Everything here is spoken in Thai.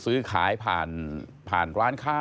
ซื้อขายผ่านร้านค้า